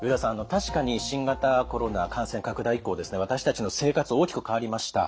確かに新型コロナ感染拡大以降ですね私たちの生活大きく変わりました。